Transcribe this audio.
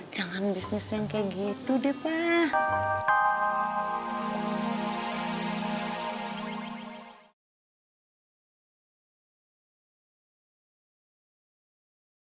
jangan bisnis yang kayak gitu deh pak